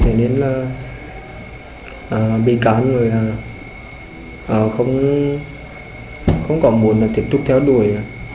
thế nên là bị cán người không có muốn tiếp tục theo đuổi